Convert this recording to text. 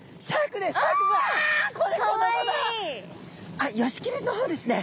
あっヨシキリの方ですね。